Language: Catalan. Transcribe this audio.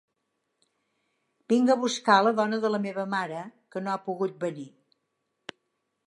Vinc a buscar la dona de la meva mare, que no ha pogut venir.